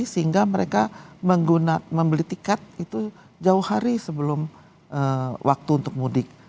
sehingga mereka menggunakan membeli tiket itu jauh hari sebelum waktu tiba